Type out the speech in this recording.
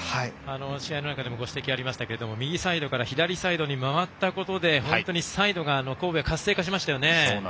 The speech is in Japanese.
試合の中でもご指摘がありましたけど右サイドから左サイドに回ったことで本当にサイドが神戸は活性化しましたよね。